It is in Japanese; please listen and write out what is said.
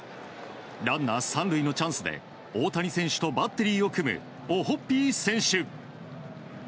ランナー３塁のチャンスで大谷選手とバッテリーを組むオホッピー選手。